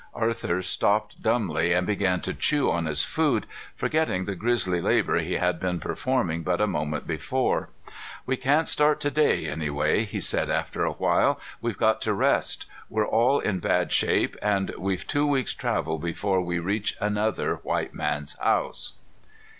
Arthur stopped dumbly and began to chew on his food, forgetting the grisly labor he had been performing but a moment before. "We can't start to day, anyway," he said after a little. "We've got to rest. We're all in bad shape and we've two weeks' travel before we reach another white man's house."